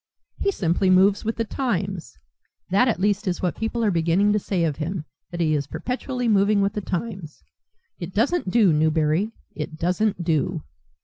He simply moves with the times. That, at least, is what people are beginning to say of him, that he is perpetually moving with the times. It doesn't do, Newberry, it doesn't do."